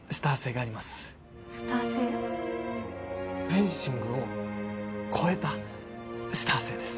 フェンシングを超えたスター性です